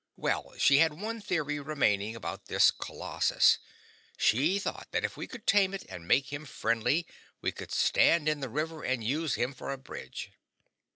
Well, she had one theory remaining about this colossus: she thought that if we could tame it and make him friendly we could stand in the river and use him for a bridge.